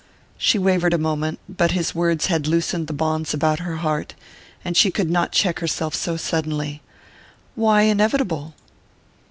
She wavered a moment but his words had loosened the bonds about her heart, and she could not check herself so suddenly. "Why inevitable?"